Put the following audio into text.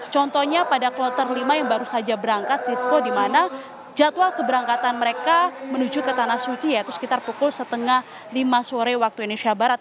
contohnya pada kloter lima yang baru saja berangkat sisko di mana jadwal keberangkatan mereka menuju ke tanah suci yaitu sekitar pukul setengah lima sore waktu indonesia barat